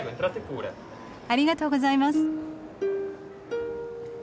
ありがとうございます。